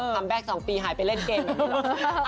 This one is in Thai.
คัมแบ็คสองปรีหายไปเล่นเกมแบบนี้หรอ